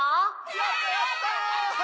やったやった！